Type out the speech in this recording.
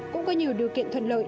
cũng có nhiều điều kiện thuận lợi